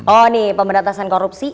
oh ini pemberantasan korupsi